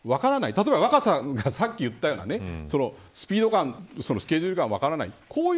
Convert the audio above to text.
例えば若狭さんがさっき言ったようなスピード感、スケジュール感が分からない